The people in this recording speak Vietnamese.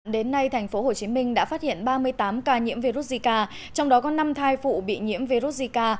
đến nay tp hcm đã phát hiện ba mươi tám ca nhiễm virus zika trong đó có năm thai phụ bị nhiễm virus zika